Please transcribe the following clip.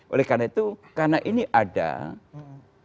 oleh karena itu karena ini ada sedikit mengganggu daripada para pemerintah